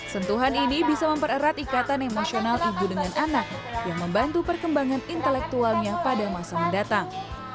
sentuhan ini bisa mempererat ikatan emosional ibu dengan anak yang membantu perkembangan intelektualnya pada masa mendatang